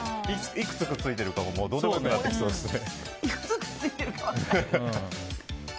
いくつくっついてるとかどうでも良くなってきそうですね。